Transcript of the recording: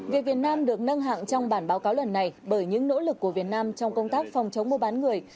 việc việt nam được nâng hạng trong bản báo cáo lần này bởi những nỗ lực của việt nam trong công tác phòng chống mua bán người